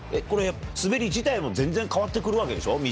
これ、滑り自体も全然変わってくるわけでしょ？